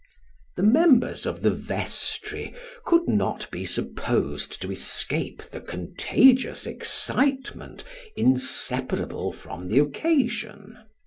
The members of the vestry could not be supposed to escape the contagious excitement inseparable from the occasion.